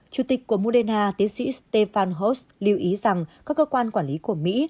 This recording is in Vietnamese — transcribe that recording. chủ tịch của moderna tiến sĩ stephan host lưu ý rằng các cơ quan quản lý của mỹ